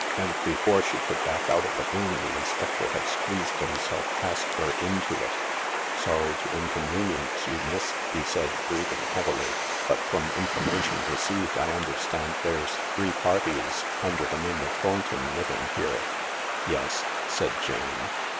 And before she could back out of the room the inspector had squeezed himself past her into it. " Sorry to inconvenience you, miss/' he said, breathing heavily, " but from information received, I understand there s three parties under the name of Thornton living here." "Yes," said Jane.